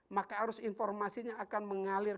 maka arus informasinya akan mengalir